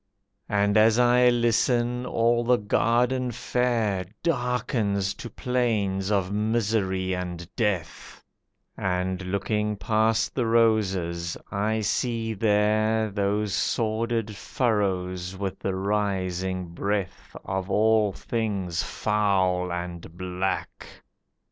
And as I listen, all the garden fair Darkens to plains of misery and death, And, looking past the roses, I see there Those sordid furrows with the rising breath Of all things foul and black.